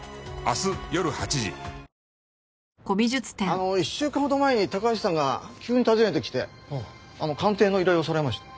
あの１週間ほど前に高橋さんが急に訪ねてきて鑑定の依頼をされました。